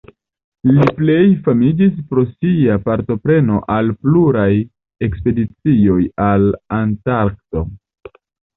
Li plej famiĝis pro sia partopreno al pluraj ekspedicioj al Antarkto.